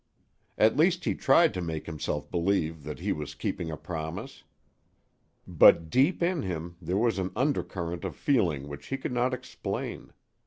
At least he tried to make himself believe that he was keeping a promise. But deep in him there was an undercurrent of feeling which he could not explain.